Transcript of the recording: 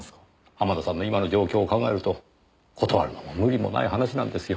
濱田さんの今の状況を考えると断るのも無理もない話なんですよ。